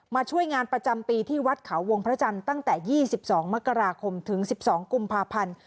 มาช่วยงานประจำปีที่วัดเขาวงพระจันทร์ตั้งแต่ยี่สิบสองมกราคมถึงสิบสองกุมภาพันธ์